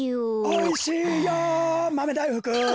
・おいしいよマメだいふく。